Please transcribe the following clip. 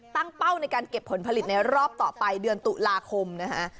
เป้าในการเก็บผลผลิตในรอบต่อไปเดือนตุลาคมนะฮะ